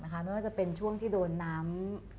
ไม่ว่าจะเป็นช่วงที่โดนน้ำ